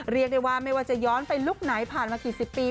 เรียกได้ว่าไม่ว่าจะย้อนไปลุคไหนผ่านมากี่สิบปี